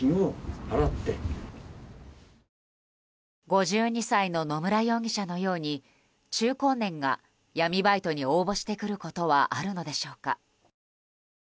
５２歳の野村容疑者のように中高年が闇バイトに応募してくることはあるのでしょうか。